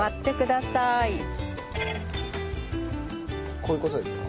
こういう事ですか？